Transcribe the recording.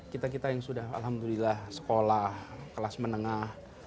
kita kita yang sudah alhamdulillah sekolah kelas menengah